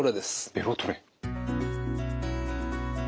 ベロトレ。